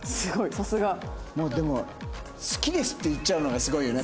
さすが！でも好きですって言っちゃうのがすごいよねたかしってな。